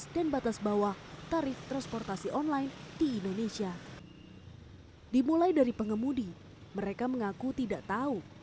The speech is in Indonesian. dimulai dari pengemudi mereka mengaku tidak tahu